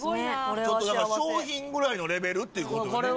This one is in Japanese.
ちょっとだから商品ぐらいのレベルっていう事よね。